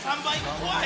怖い！